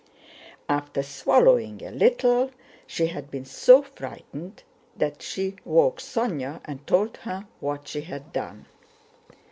After swallowing a little she had been so frightened that she woke Sónya and told her what she had done.